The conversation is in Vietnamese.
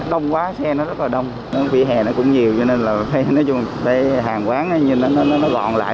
đông quá xe nó rất là đông vỉa hè nó cũng nhiều cho nên là nói chung hàng quán nó gọn lại